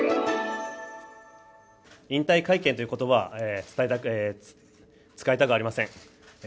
引退会見ということばは使いたくありません。